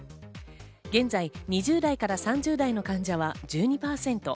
現在、２０代から３０代の患者は１２％。